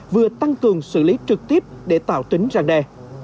vừa tăng cường xử lý trực tiếp để tạo tính ra đề